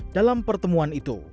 dalam pertemuan itu